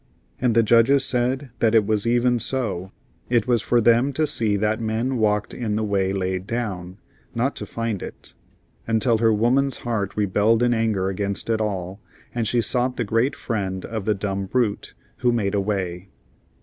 And the judges said that it was even so; it was for them to see that men walked in the way laid down, not to find it until her woman's heart rebelled in anger against it all, and she sought the great friend of the dumb brute, who made a way.